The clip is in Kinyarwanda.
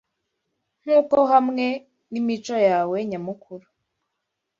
Nkuko hamwe nimico yawe nyamukuru